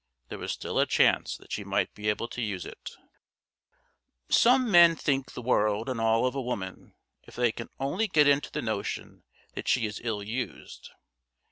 There was still a chance that she might be able to use it. "Some men think the world and all of a woman if they can only get into the notion that she is ill used.